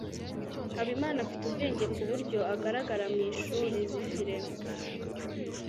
habimana afite ubwenge kuburyo agaragara mwishuri. (zifre